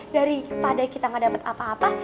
daripada kita gak dapat apa apa